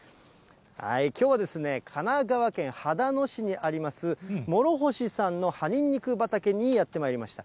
きょうは神奈川県秦野市にあります、諸星さんの葉ニンニク畑にやってまいりました。